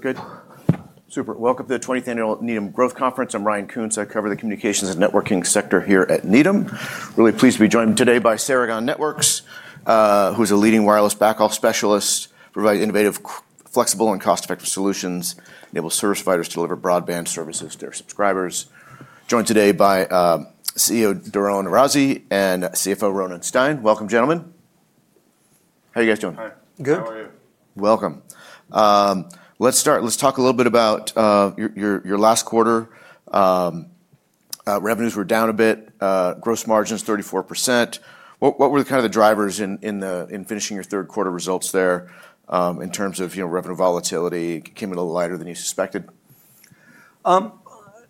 Good. Super. Welcome to the 20th Annual Needham Growth Conference. I'm Ryan Koontz. I cover the communications and networking sector here at Needham. Really pleased to be joined today by Ceragon Networks, who is a leading wireless backhaul specialist, providing innovative, flexible, and cost-effective solutions that enable service providers to deliver broadband services to their subscribers. Joined today by CEO Doron Arazi, and CFO Ronen Stein. Welcome, gentlemen. How are you guys doing? Hi. Good. How are you? Welcome. Let's start. Let's talk a little bit about your last quarter. Revenues were down a bit. Gross margins 34%. What were kind of the drivers in finishing your third quarter results there in terms of revenue volatility? It came in a little lighter than you suspected.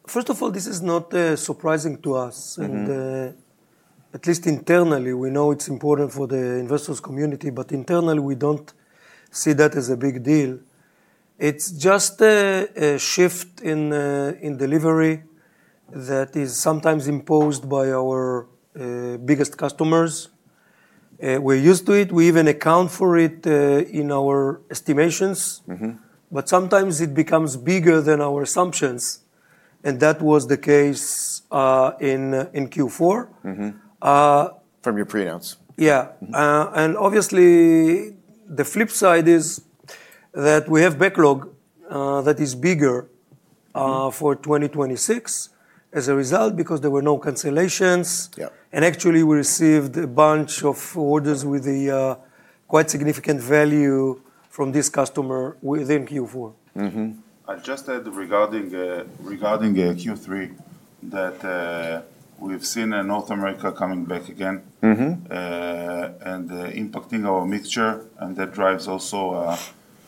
First of all, this is not surprising to us. At least internally, we know it's important for the investors' community, but internally, we don't see that as a big deal. It's just a shift in delivery that is sometimes imposed by our biggest customers. We're used to it. We even account for it in our estimations. But sometimes it becomes bigger than our assumptions, and that was the case in Q4. From your pre-announce. Yeah. And obviously, the flip side is that we have backlog that is bigger for 2026 as a result because there were no cancellations. And actually, we received a bunch of orders with quite significant value from this customer within Q4. I just add regarding Q3 that we've seen North America coming back again and impacting our mix. And that drives also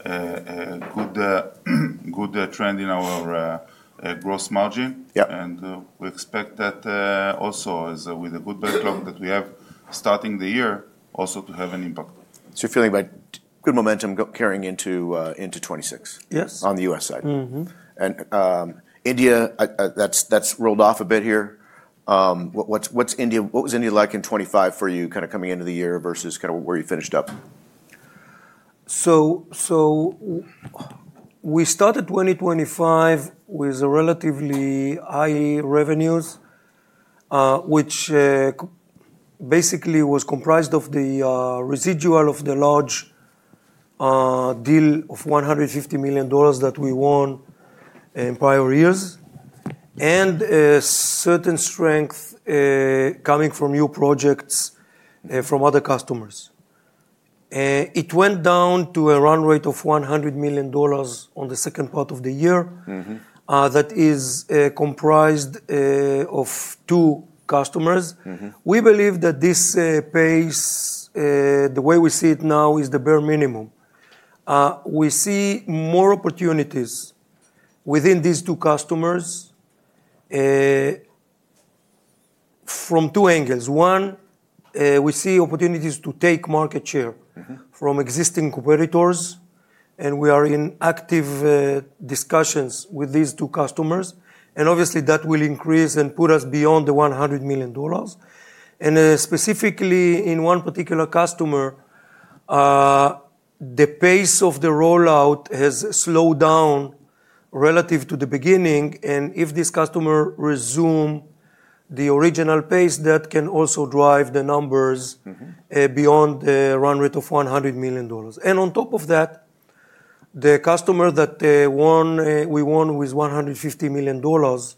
a good trend in our gross margin. And we expect that also, with the good backlog that we have starting the year, also to have an impact. You're feeling good momentum carrying into 2026 on the U.S. side. India, that's rolled off a bit here. What was India like in 2025 for you, kind of coming into the year versus kind of where you finished up? We started 2025 with relatively high revenues, which basically was comprised of the residual of the large deal of $150 million that we won in prior years, and certain strength coming from new projects from other customers. It went down to a run rate of $100 million on the second part of the year that is comprised of two customers. We believe that this pace, the way we see it now, is the bare minimum. We see more opportunities within these two customers from two angles. One, we see opportunities to take market share from existing competitors. We are in active discussions with these two customers. Obviously, that will increase and put us beyond the $100 million. Specifically, in one particular customer, the pace of the rollout has slowed down relative to the beginning. And if this customer resumes the original pace, that can also drive the numbers beyond the run rate of $100 million. And on top of that, the customer that we won with $150 million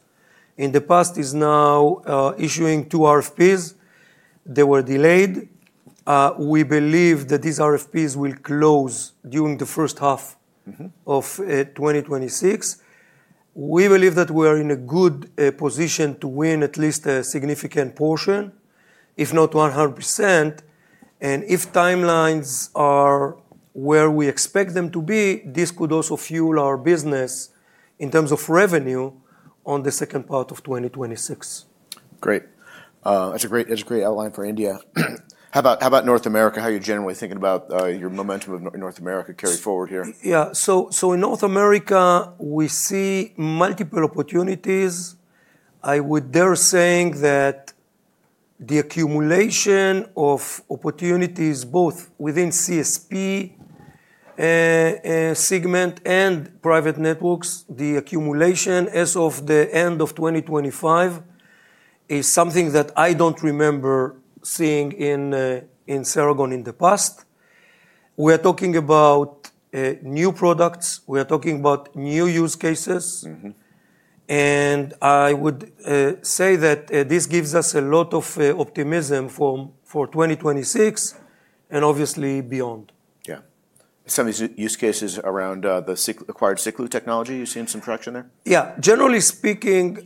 in the past is now issuing two RFPs. They were delayed. We believe that these RFPs will close during the first half of 2026. We believe that we are in a good position to win at least a significant portion, if not 100%. And if timelines are where we expect them to be, this could also fuel our business in terms of revenue on the second part of 2026. Great. That's a great outline for India. How about North America? How are you generally thinking about your momentum of North America carried forward here? Yeah, so in North America, we see multiple opportunities. I would dare say that the accumulation of opportunities, both within CSP segment and private networks, the accumulation as of the end of 2025 is something that I don't remember seeing in Ceragon in the past. We are talking about new products. We are talking about new use cases, and I would say that this gives us a lot of optimism for 2026 and obviously beyond. Yeah. Some use cases around the acquired Siklu technology. You've seen some traction there? Yeah. Generally speaking,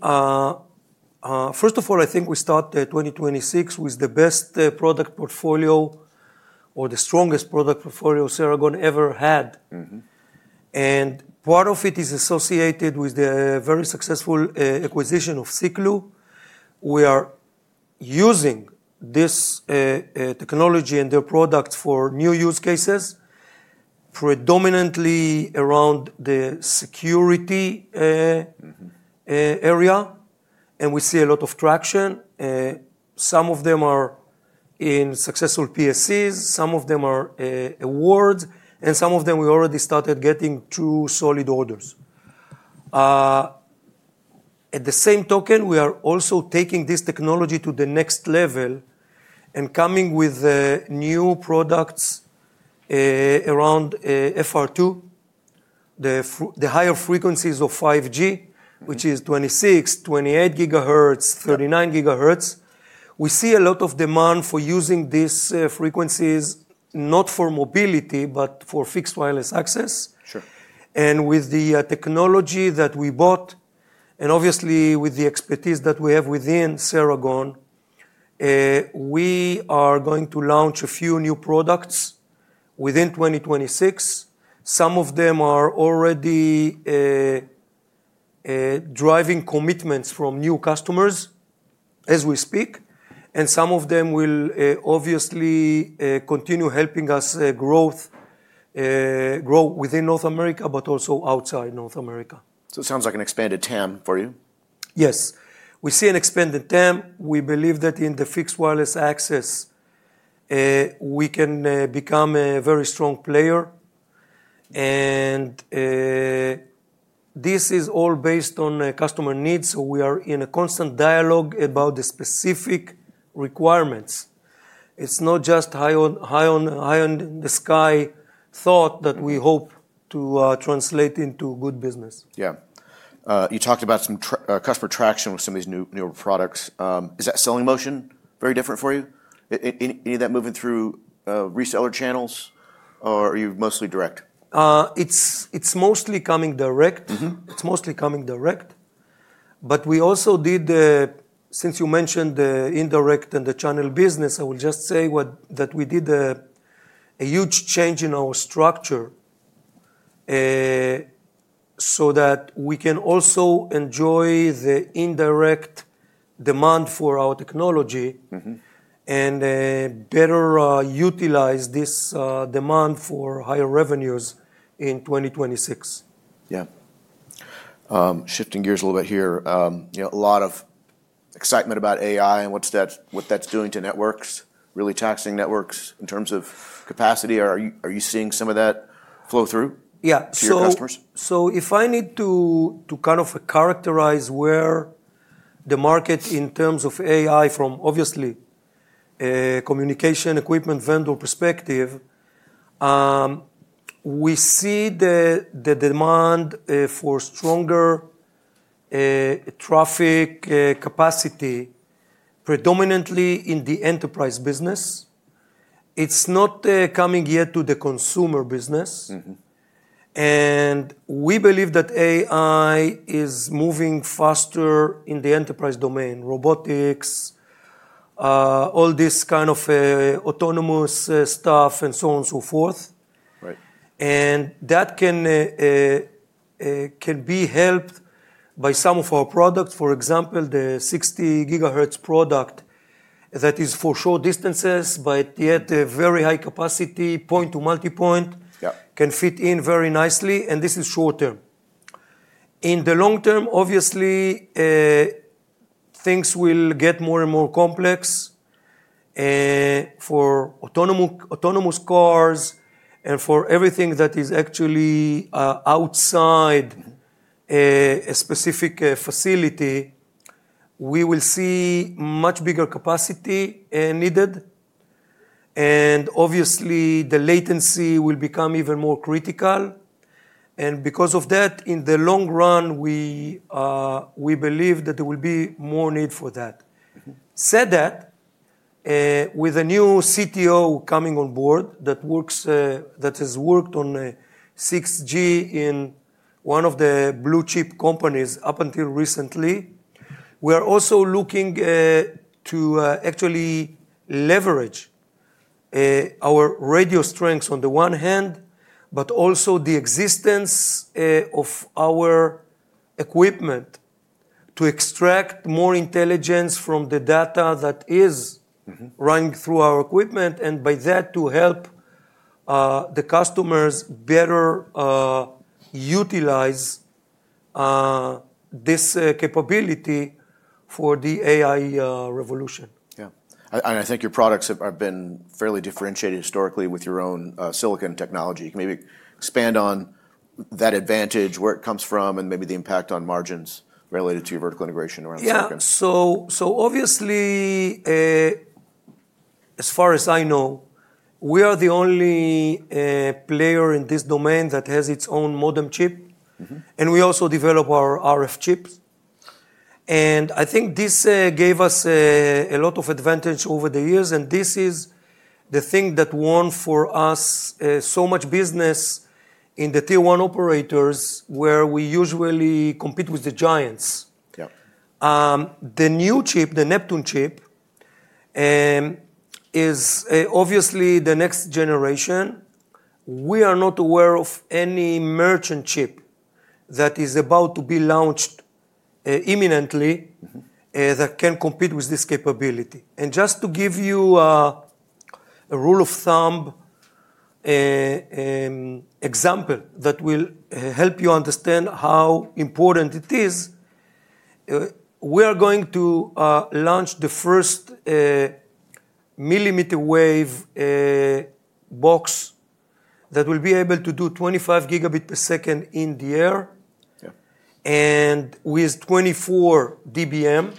first of all, I think we started 2026 with the best product portfolio or the strongest product portfolio Ceragon ever had. And part of it is associated with the very successful acquisition of Siklu. We are using this technology and their products for new use cases, predominantly around the security area. And we see a lot of traction. Some of them are in successful POCs. Some of them are awards. And some of them, we already started getting true solid orders. At the same token, we are also taking this technology to the next level and coming with new products around FR2, the higher frequencies of 5G, which is 26, 28 GHz, 39 GHz. We see a lot of demand for using these frequencies, not for mobility, but for fixed wireless access. And with the technology that we bought, and obviously with the expertise that we have within Ceragon, we are going to launch a few new products within 2026. Some of them are already driving commitments from new customers as we speak. And some of them will obviously continue helping us grow within North America, but also outside North America. So it sounds like an expanded TAM for you. Yes. We see an expanded TAM. We believe that in the fixed wireless access, we can become a very strong player. And this is all based on customer needs. So we are in a constant dialogue about the specific requirements. It's not just high-in-the-sky thought that we hope to translate into good business. Yeah. You talked about some customer traction with some of these newer products. Is that selling motion very different for you? Any of that moving through reseller channels, or are you mostly direct? It's mostly coming direct. But we also did, since you mentioned the indirect and the channel business, I will just say that we did a huge change in our structure so that we can also enjoy the indirect demand for our technology and better utilize this demand for higher revenues in 2026. Yeah. Shifting gears a little bit here. A lot of excitement about AI and what that's doing to networks, really taxing networks in terms of capacity. Are you seeing some of that flow through to your customers? Yeah. So if I need to kind of characterize where the market in terms of AI from obviously a communication equipment vendor perspective, we see the demand for stronger traffic capacity, predominantly in the enterprise business. It's not coming yet to the consumer business. And we believe that AI is moving faster in the enterprise domain, robotics, all this kind of autonomous stuff, and so on and so forth. And that can be helped by some of our products. For example, the 60 GHz product that is for short distances, but yet very high capacity, point-to-multipoint, can fit in very nicely. And this is short term. In the long term, obviously, things will get more and more complex for autonomous cars and for everything that is actually outside a specific facility. We will see much bigger capacity needed. And obviously, the latency will become even more critical. Because of that, in the long run, we believe that there will be more need for that. That said, with a new CTO coming on board that has worked on 6G in one of the blue chip companies up until recently, we are also looking to actually leverage our radio strengths on the one hand, but also the existence of our equipment to extract more intelligence from the data that is running through our equipment, and by that, to help the customers better utilize this capability for the AI revolution. Yeah. And I think your products have been fairly differentiated historically with your own silicon technology. Can you maybe expand on that advantage, where it comes from, and maybe the impact on margins related to your vertical integration around silicon? Yeah. So obviously, as far as I know, we are the only player in this domain that has its own modem chip. And we also develop our RF chips. And I think this gave us a lot of advantage over the years. And this is the thing that won for us so much business in the Tier 1 operators, where we usually compete with the giants. The new chip, the Neptune chip, is obviously the next generation. We are not aware of any merchant chip that is about to be launched imminently that can compete with this capability. Just to give you a rule of thumb example that will help you understand how important it is, we are going to launch the first millimeter wave box that will be able to do 25 gigabit per second in the air and with 24 dBm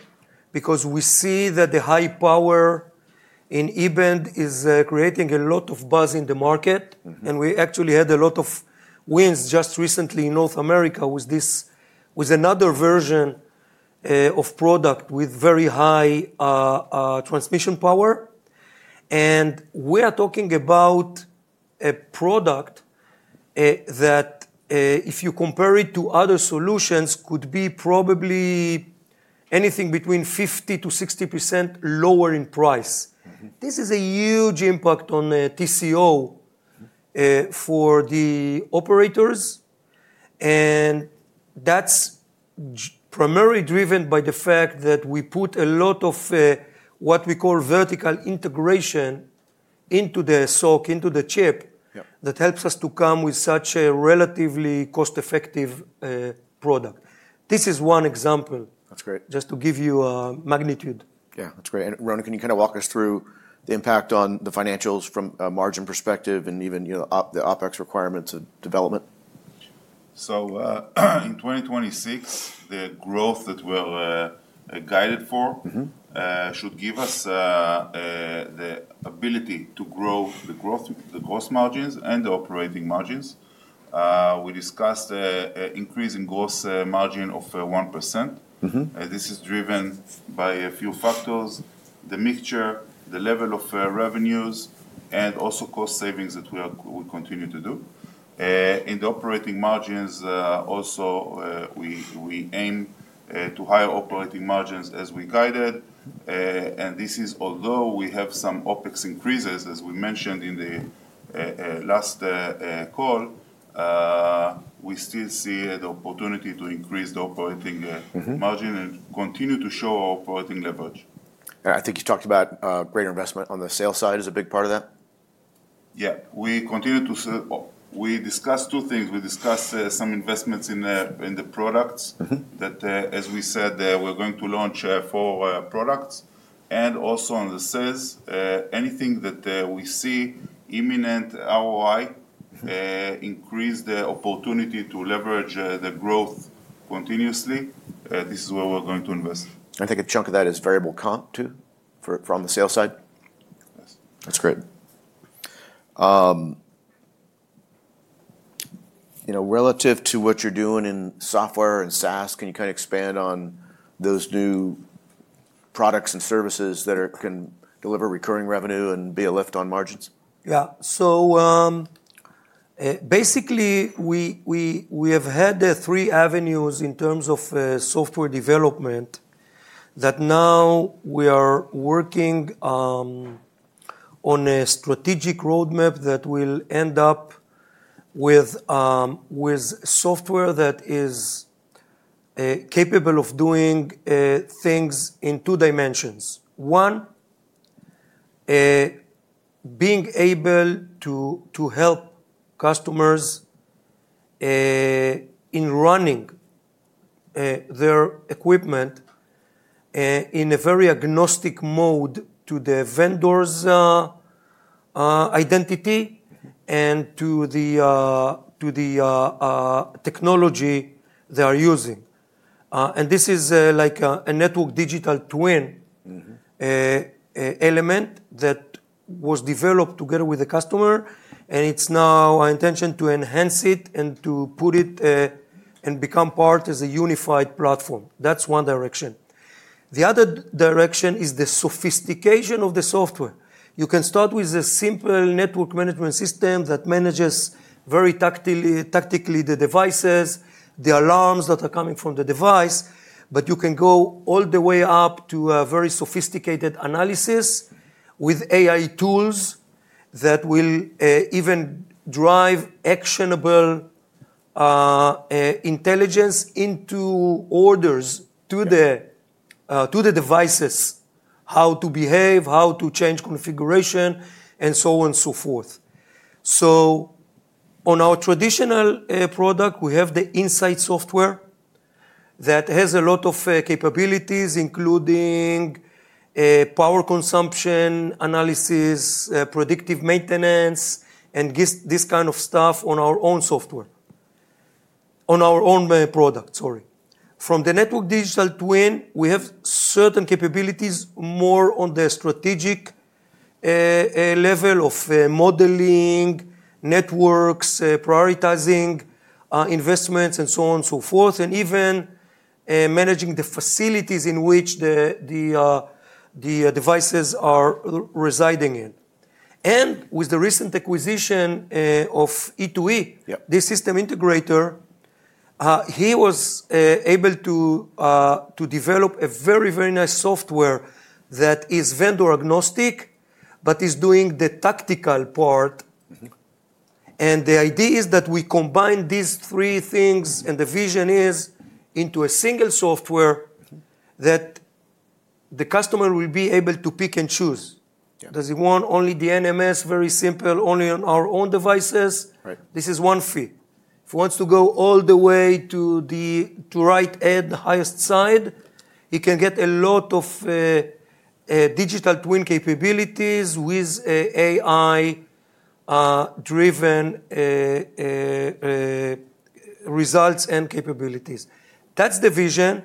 because we see that the high power in E-band is creating a lot of buzz in the market. We actually had a lot of wins just recently in North America with another version of product with very high transmission power. We are talking about a product that, if you compare it to other solutions, could be probably anything between 50%-60% lower in price. This is a huge impact on TCO for the operators. And that's primarily driven by the fact that we put a lot of what we call vertical integration into the SoC, into the chip, that helps us to come with such a relatively cost-effective product. This is one example, just to give you magnitude. Yeah. That's great. And Ronen, can you kind of walk us through the impact on the financials from a margin perspective and even the OPEX requirements of development? So in 2026, the growth that we're guided for should give us the ability to grow the gross margins and the operating margins. We discussed an increase in gross margin of 1%. This is driven by a few factors: the mixture, the level of revenues, and also cost savings that we continue to do. In the operating margins, also, we aim to higher operating margins as we guided. And this is although we have some OPEX increases, as we mentioned in the last call, we still see the opportunity to increase the operating margin and continue to show our operating leverage. And I think you talked about greater investment on the sales side as a big part of that. Yeah. We discussed two things. We discussed some investments in the products that, as we said, we're going to launch four products. And also on the sales, anything that we see imminent ROI increase the opportunity to leverage the growth continuously. This is where we're going to invest. I think a chunk of that is variable comp too from the sales side. That's great. Relative to what you're doing in software and SaaS, can you kind of expand on those new products and services that can deliver recurring revenue and be a lift on margins? Yeah. So basically, we have had three avenues in terms of software development that now we are working on a strategic roadmap that will end up with software that is capable of doing things in two dimensions. One, being able to help customers in running their equipment in a very agnostic mode to the vendor's identity and to the technology they are using. And this is like a network digital twin element that was developed together with the customer. And it's now our intention to enhance it and to put it and become part as a unified platform. That's one direction. The other direction is the sophistication of the software. You can start with a simple network management system that manages very tactically the devices, the alarms that are coming from the device. But you can go all the way up to a very sophisticated analysis with AI tools that will even drive actionable intelligence into orders to the devices, how to behave, how to change configuration, and so on and so forth. So on our traditional product, we have the Insight software that has a lot of capabilities, including power consumption analysis, predictive maintenance, and this kind of stuff on our own software, on our own product, sorry. From the network Digital Twin, we have certain capabilities more on the strategic level of modeling, networks, prioritizing investments, and so on and so forth, and even managing the facilities in which the devices are residing in. And with the recent acquisition of E2E, this system integrator, he was able to develop a very, very nice software that is vendor agnostic, but is doing the tactical part. The idea is that we combine these three things, and the vision is into a single software that the customer will be able to pick and choose. Does he want only the NMS, very simple, only on our own devices? This is one fee. If he wants to go all the way to the right edge, the highest side, he can get a lot of digital twin capabilities with AI-driven results and capabilities. That's the vision.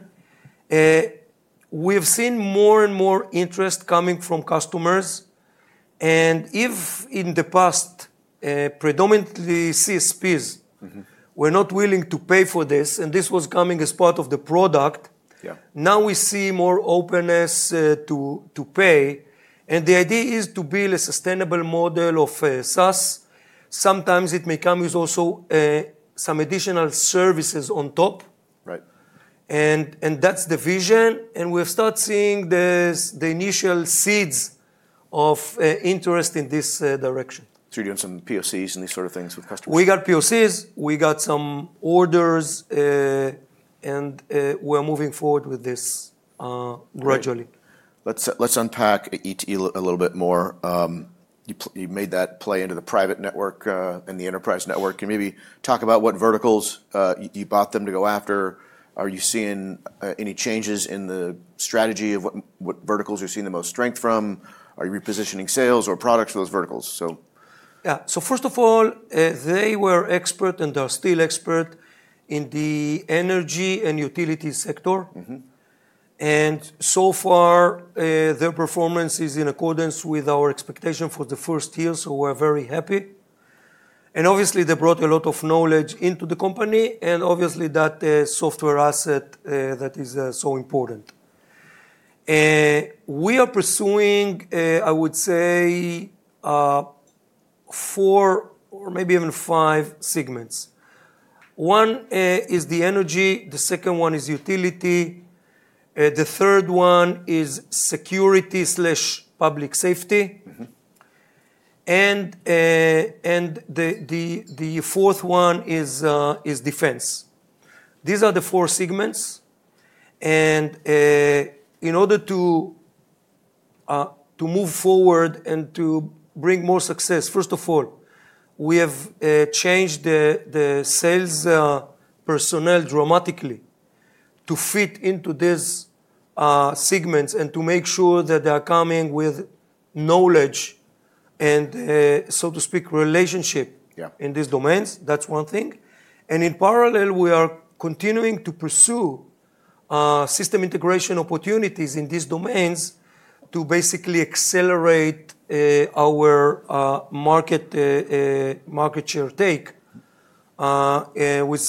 We have seen more and more interest coming from customers. If in the past, predominantly CSPs, were not willing to pay for this, and this was coming as part of the product, now we see more openness to pay. The idea is to build a sustainable model of SaaS. Sometimes it may come with also some additional services on top. That's the vision. We have started seeing the initial seeds of interest in this direction. So you're doing some POCs and these sort of things with customers? We got POCs. We got some orders, and we are moving forward with this gradually. Let's unpack E2E a little bit more. You made that play into the private network and the enterprise network. Can you maybe talk about what verticals you bought them to go after? Are you seeing any changes in the strategy of what verticals you're seeing the most strength from? Are you repositioning sales or products for those verticals? Yeah. So first of all, they were experts and are still experts in the energy and utility sector, and so far, their performance is in accordance with our expectations for the first year. So we're very happy, and obviously, they brought a lot of knowledge into the company and obviously that software asset that is so important. We are pursuing, I would say, four or maybe even five segments. One is the energy. The second one is utility. The third one is security/public safety. And the fourth one is defense. These are the four segments, and in order to move forward and to bring more success, first of all, we have changed the sales personnel dramatically to fit into these segments and to make sure that they are coming with knowledge and, so to speak, relationship in these domains. That's one thing. In parallel, we are continuing to pursue system integration opportunities in these domains to basically accelerate our market share take with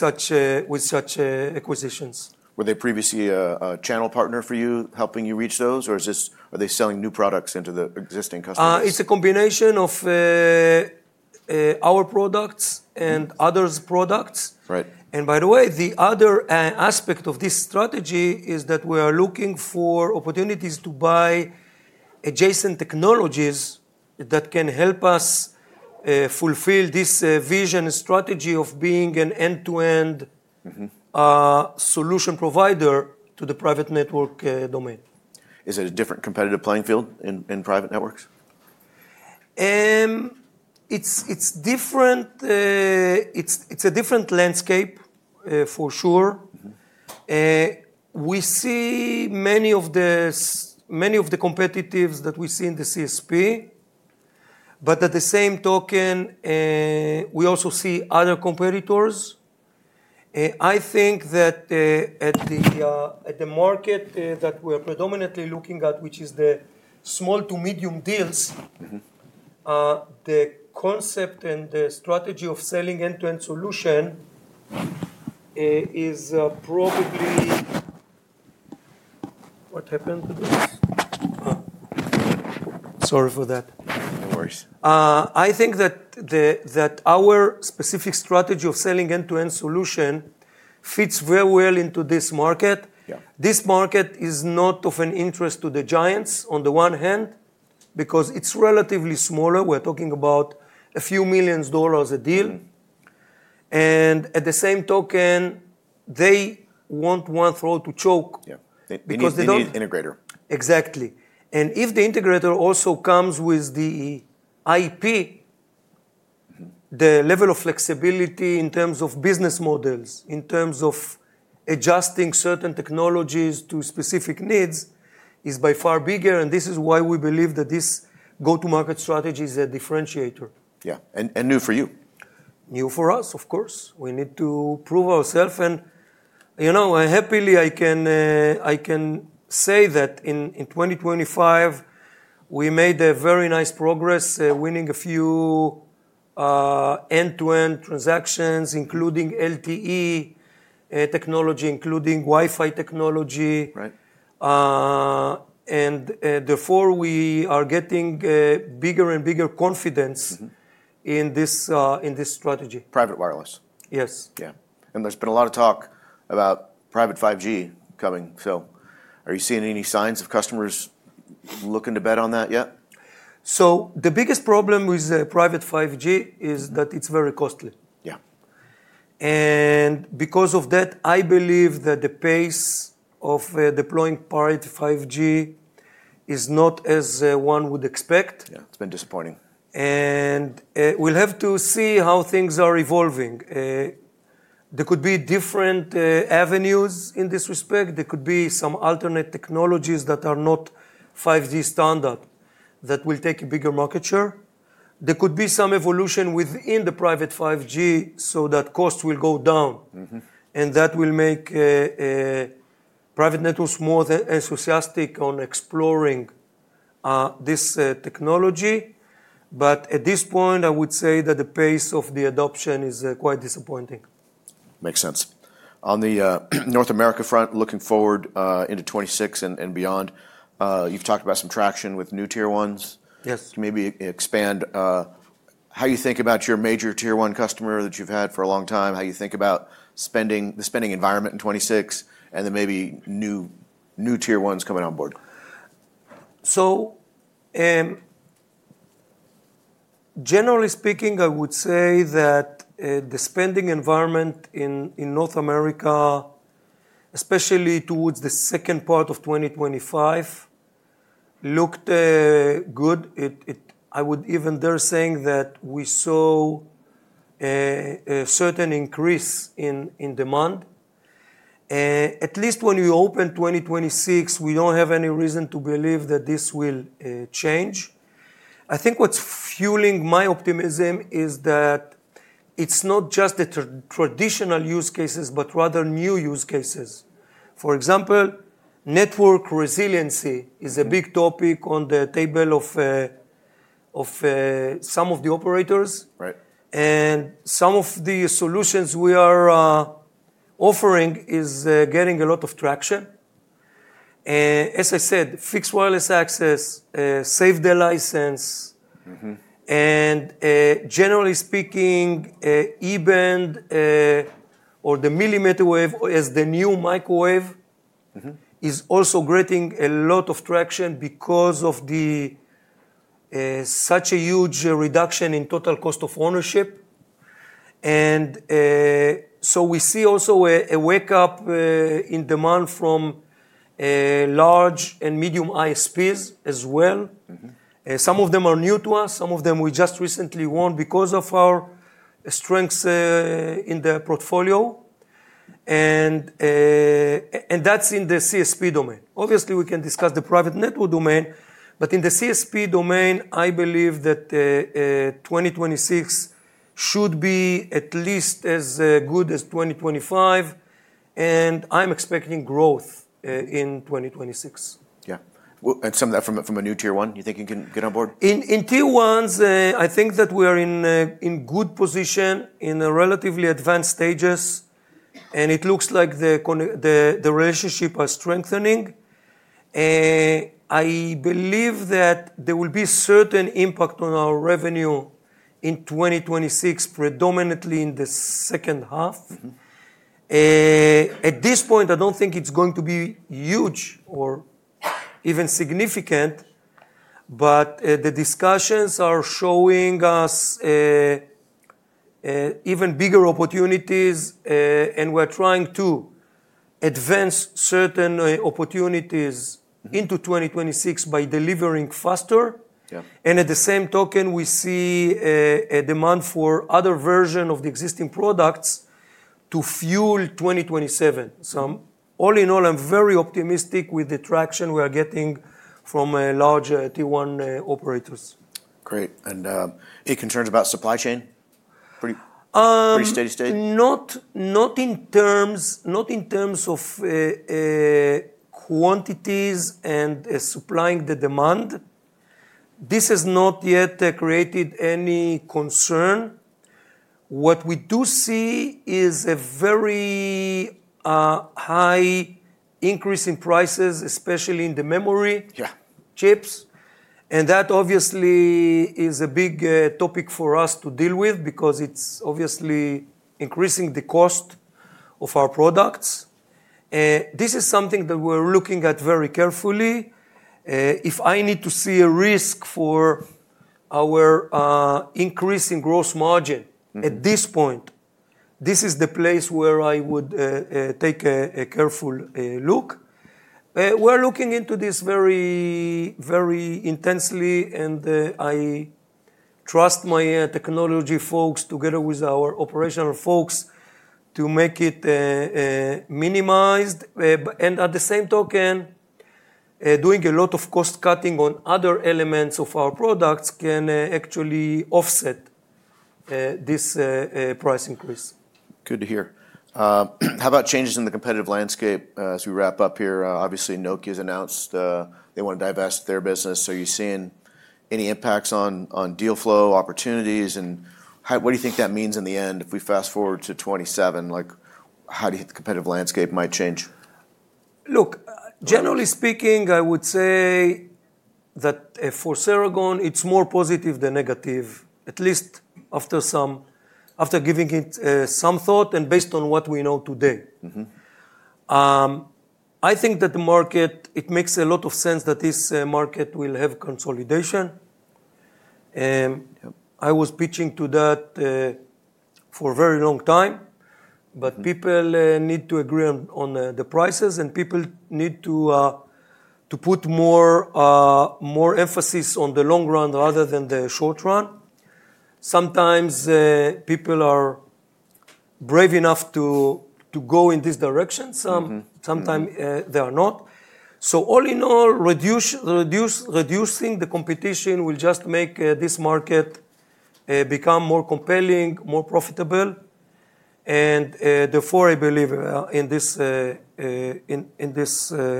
such acquisitions. Were they previously a channel partner for you, helping you reach those, or are they selling new products into the existing customers? It's a combination of our products and others' products. By the way, the other aspect of this strategy is that we are looking for opportunities to buy adjacent technologies that can help us fulfill this vision and strategy of being an end-to-end solution provider to the private network domain. Is it a different competitive playing field in private networks? It's different. It's a different landscape, for sure. We see many of the competitors that we see in the CSP. But by the same token, we also see other competitors. I think that at the market that we are predominantly looking at, which is the small to medium deals, the concept and the strategy of selling end-to-end solution is probably what happened to this? Sorry for that. No worries. I think that our specific strategy of selling end-to-end solution fits very well into this market. This market is not of interest to the giants on the one hand because it's relatively smaller. We're talking about a few million dollars a deal, and by the same token, they want one throat to choke because they don't. They need the integrator. Exactly. And if the integrator also comes with the IP, the level of flexibility in terms of business models, in terms of adjusting certain technologies to specific needs is by far bigger. And this is why we believe that this go-to-market strategy is a differentiator. Yeah, and new for you. New for us, of course. We need to prove ourselves. And happily, I can say that in 2025, we made very nice progress winning a few end-to-end transactions, including LTE technology, including Wi-Fi technology. And therefore, we are getting bigger and bigger confidence in this strategy. Private wireless. Yes. Yeah. And there's been a lot of talk about Private 5G coming. So are you seeing any signs of customers looking to bet on that yet? The biggest problem with Private 5G is that it's very costly. Yeah. Because of that, I believe that the pace of deploying Private 5G is not as one would expect. Yeah. It's been disappointing. We'll have to see how things are evolving. There could be different avenues in this respect. There could be some alternate technologies that are not 5G standard that will take a bigger market share. There could be some evolution within the private 5G so that cost will go down, and that will make private networks more enthusiastic on exploring this technology. At this point, I would say that the pace of the adoption is quite disappointing. Makes sense. On the North America front, looking forward into 2026 and beyond, you've talked about some traction with new Tier 1s. Can you maybe expand how you think about your major Tier 1 customer that you've had for a long time, how you think about the spending environment in 2026, and then maybe new Tier 1s coming on board? So generally speaking, I would say that the spending environment in North America, especially towards the second part of 2025, looked good. I would even dare say that we saw a certain increase in demand. At least when we opened 2026, we don't have any reason to believe that this will change. I think what's fueling my optimism is that it's not just the traditional use cases, but rather new use cases. For example, network resiliency is a big topic on the table of some of the operators, and some of the solutions we are offering are getting a lot of traction. As I said, fixed wireless access, save the license, and generally speaking, E-band or the millimeter wave as the new microwave is also getting a lot of traction because of such a huge reduction in total cost of ownership. And so we see also a wake-up in demand from large and medium ISPs as well. Some of them are new to us. Some of them we just recently won because of our strengths in the portfolio. And that's in the CSP domain. Obviously, we can discuss the private network domain. But in the CSP domain, I believe that 2026 should be at least as good as 2025. And I'm expecting growth in 2026. Yeah. And some of that from a new Tier 1, you think you can get on board? In Tier 1s, I think that we are in good position in relatively advanced stages. It looks like the relationship is strengthening. I believe that there will be a certain impact on our revenue in 2026, predominantly in the second half. At this point, I don't think it's going to be huge or even significant. The discussions are showing us even bigger opportunities. We're trying to advance certain opportunities into 2026 by delivering faster. At the same token, we see a demand for other versions of the existing products to fuel 2027. All in all, I'm very optimistic with the traction we are getting from large Tier 1 operators. Great. And any concerns about supply chain? Pretty steady state? Not in terms of quantities and supplying the demand. This has not yet created any concern. What we do see is a very high increase in prices, especially in the memory chips. And that obviously is a big topic for us to deal with because it's obviously increasing the cost of our products. This is something that we're looking at very carefully. If I need to see a risk for our increase in gross margin at this point, this is the place where I would take a careful look. We're looking into this very intensely. And I trust my technology folks together with our operational folks to make it minimized. And at the same token, doing a lot of cost cutting on other elements of our products can actually offset this price increase. Good to hear. How about changes in the competitive landscape as we wrap up here? Obviously, Nokia has announced they want to divest their business. So are you seeing any impacts on deal flow opportunities? And what do you think that means in the end? If we fast forward to 2027, how do you think the competitive landscape might change? Look, generally speaking, I would say that for Ceragon, it's more positive than negative, at least after giving it some thought and based on what we know today. I think that the market, it makes a lot of sense that this market will have consolidation. I was pitching to that for a very long time. But people need to agree on the prices. And people need to put more emphasis on the long run rather than the short run. Sometimes people are brave enough to go in this direction. Sometimes they are not. So all in all, reducing the competition will just make this market become more compelling, more profitable. And therefore, I believe in this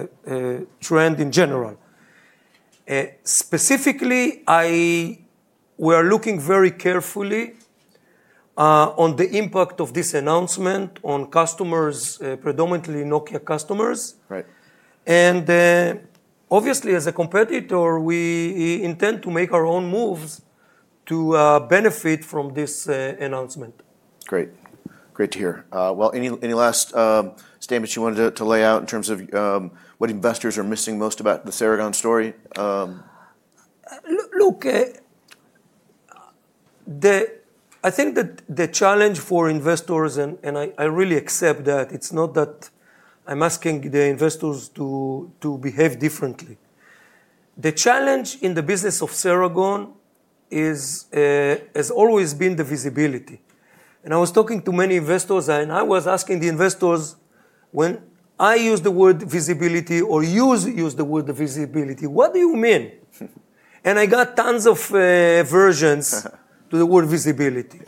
trend in general. Specifically, we are looking very carefully on the impact of this announcement on customers, predominantly Nokia customers. Obviously, as a competitor, we intend to make our own moves to benefit from this announcement. Great. Great to hear. Well, any last statements you wanted to lay out in terms of what investors are missing most about the Ceragon story? Look, I think that the challenge for investors, and I really accept that, it's not that I'm asking the investors to behave differently. The challenge in the business of Ceragon has always been the visibility, and I was talking to many investors, and I was asking the investors, when I use the word visibility or you use the word visibility, what do you mean, and I got tons of versions to the word visibility,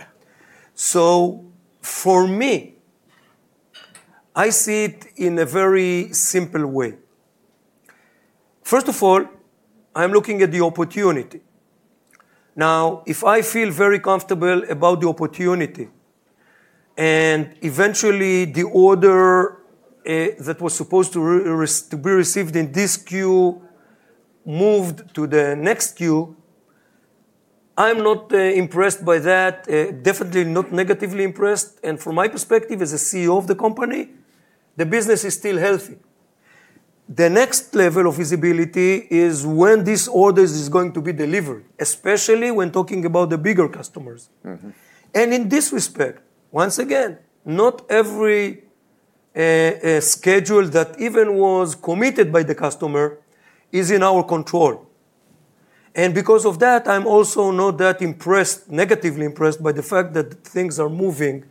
so for me, I see it in a very simple way. First of all, I'm looking at the opportunity. Now, if I feel very comfortable about the opportunity and eventually the order that was supposed to be received in this queue moved to the next queue, I'm not impressed by that, definitely not negatively impressed, and from my perspective as a CEO of the company, the business is still healthy. The next level of visibility is when these orders are going to be delivered, especially when talking about the bigger customers. And in this respect, once again, not every schedule that even was committed by the customer is in our control. And because of that, I'm also not that impressed, negatively impressed by the fact that things are moving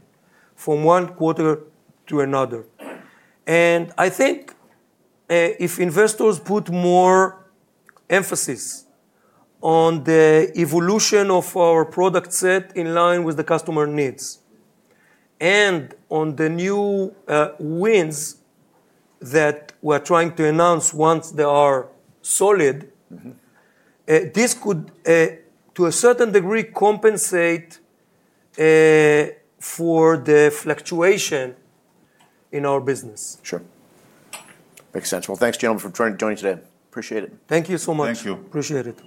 from one quarter to another. And I think if investors put more emphasis on the evolution of our product set in line with the customer needs and on the new wins that we're trying to announce once they are solid, this could, to a certain degree, compensate for the fluctuation in our business. Sure. Makes sense. Well, thanks, gentlemen, for joining today. Appreciate it. Thank you so much. Thank you. Appreciate it.